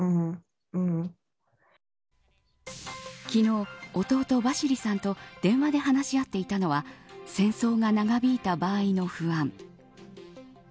昨日、弟ヴァシリさんと電話で話し合っていたのは戦争が長引いた場合の不安。